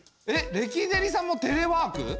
えっレキデリさんもテレワーク？